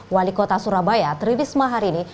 wali kota surabaya tririsma hari ini